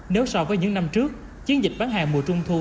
nếu so với những năm trước chiến dịch bán hàng mùa trung thu